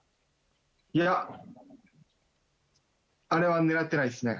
いや、あれは狙ってないですね。